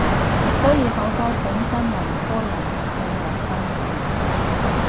所以好多本身文科人入去好辛苦